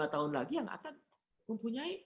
dua puluh lima tahun lagi yang akan mempunyai